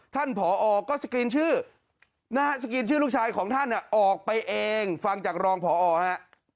ผอก็สกรีนชื่อนะฮะสกรีนชื่อลูกชายของท่านออกไปเองฟังจากรองพอฮะ